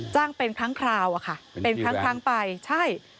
เป็นครั้งคราวอะค่ะเป็นครั้งไปใช่